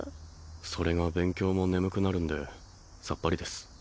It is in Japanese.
それが勉強も眠くなるんでさっぱりです